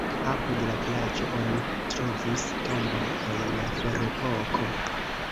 Apud la vilaĝo oni trovis tombon el la ferepoko.